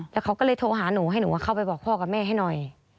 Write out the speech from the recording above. แล้วเขาก็เลยโทรหาหนูให้หนูเข้าไปบอกพ่อกับแม่ให้หน่อย